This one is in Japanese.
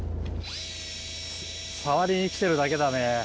触りに来てるだけだね